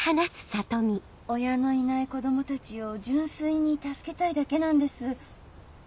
親のいない子供たちを純粋に助けたいだけなんです。